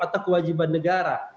atau kewajiban negara